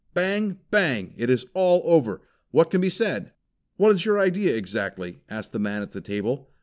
Bang! Bang! It is all over. What can be said?" "What is your idea exactly?" asked the man at the table.